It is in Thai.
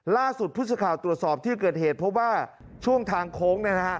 ล่าสุดพุธชาติตรวจสอบที่เกิดเหตุเพราะว่าช่วงทางโค้ง